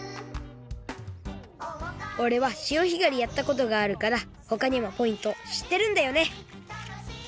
おれは潮干狩りやったことがあるからほかにもポイントしってるんだよね